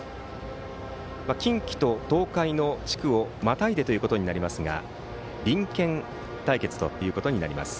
近畿と東海の地区をまたいでということになりますが隣県対決となります。